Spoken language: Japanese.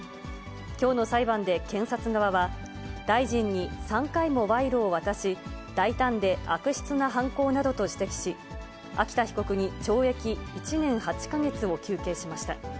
きょうの裁判で、検察側は、大臣に３回も賄賂を渡し、大胆で悪質な犯行などと指摘し、秋田被告に懲役１年８か月を求刑しました。